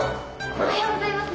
おはようございます。